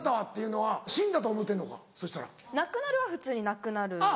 「亡くなる」は普通に「亡くなる」。